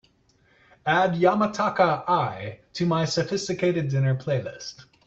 add Yamataka Eye to my sophisticated dinner playlist